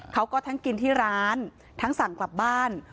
เขาก็ทั้งกินที่ร้านทั้งสั่งกลับบ้าน